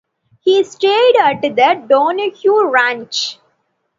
He stayed at the Donohue Ranch.